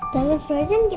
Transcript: tante frozen kita nungguin